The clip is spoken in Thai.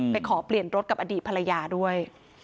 ขอเปลี่ยนรถกับอดีตภรรยาด้วย